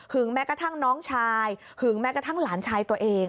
แม้กระทั่งน้องชายหึงแม้กระทั่งหลานชายตัวเอง